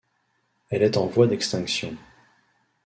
Elle est en voie d'extinction.